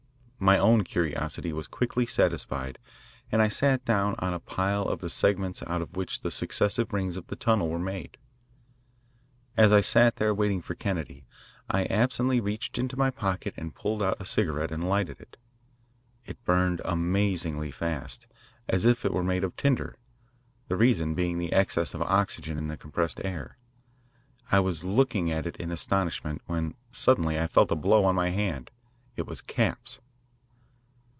My own curiosity was quickly satisfied, and I sat down on a pile of the segments out of which the successive rings of the tunnel were made. As I sat there waiting for Kennedy, I absently reached into my pocket and pulled out a cigarette and lighted it. It burned amazingly fast, as if it were made of tinder, the reason being the excess of oxygen in the compressed air. I was looking at it in astonishment, when suddenly I felt a blow on my hand. It was Capps.